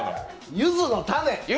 ゆずの種！